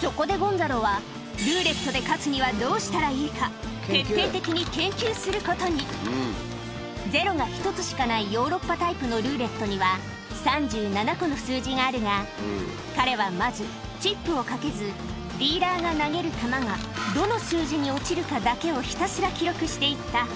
そこでゴンザロはルーレットで勝つにはどうしたらいいか徹底的に研究することにゼロが１つしかないヨーロッパタイプのルーレットには３７個の数字があるが彼はまずチップを賭けずディーラーが投げる玉がとにかく。